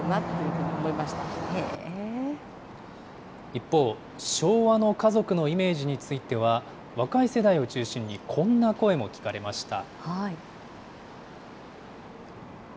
一方、昭和の家族のイメージについては、若い世代を中心に、こんな声も聞かれました。